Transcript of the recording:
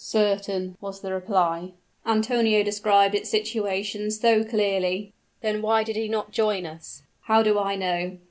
"Certain," was the reply. "Antonio described its situation so clearly " "Then why did he not join us?" "How do I know?